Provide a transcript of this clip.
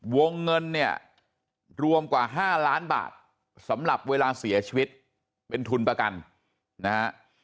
วงเงินเนี่ยรวมกว่า๕ล้านบาทสำหรับเวลาเสียชีวิตเป็นทุนประกันนะฮะ